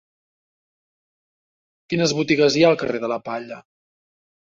Quines botigues hi ha al carrer de la Palla?